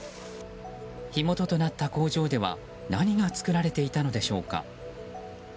火元となった工場では何が作られていたのでしょうか。